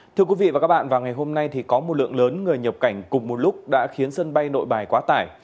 thưa quý vị và các bạn vào ngày hôm nay thì có một lượng lớn người nhập cảnh cùng một lúc đã khiến sân bay nội bài quá tải